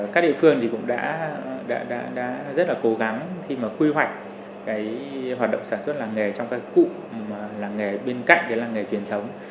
các địa phương cũng đã rất là cố gắng khi mà quy hoạch hoạt động sản xuất làng nghề trong các cụm làng nghề bên cạnh làng nghề truyền thống